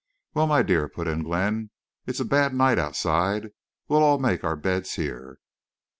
"Well, my dear," put in Glenn, "it's a bad night outside. We'll all make our beds here."